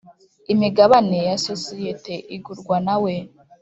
imigabane ya sosiyete igurwa nawe